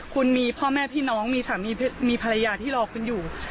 คุณมีพ่อแม่พี่น้องมีสามีมีภรรยาที่รอคุณอยู่